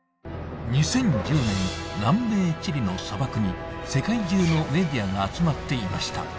２０１０年南米・チリの砂漠に世界中のメディアが集まっていました